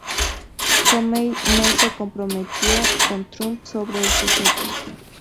Comey no se comprometió con Trump sobre el sujeto.